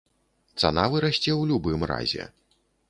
Цана вырасце ў любым разе.